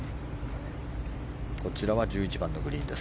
こちらは１１番のグリーンです。